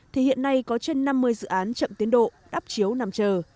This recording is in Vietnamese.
thì hiện nay có trên năm mươi dự án chậm tiến độ đắp chiếu nằm chờ